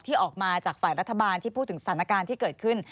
ออกมาจากฝ่ายรัฐบาลที่พูดถึงสถานการณ์ที่เกิดขึ้น